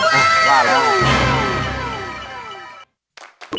ฮะราอยแล้ว